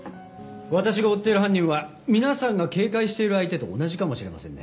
私が追っている犯人は皆さんが警戒している相手と同じかもしれませんね。